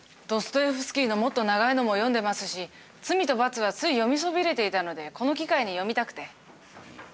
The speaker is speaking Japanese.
ドストエフスキーのもっと長いのも読んでますし「罪と罰」はつい読みそびれていたのでこの機会に読みたくて。